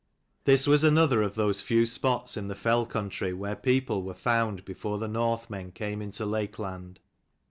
This was another of those few spots in the fell country where people were found before the Northmen came into Lakeland.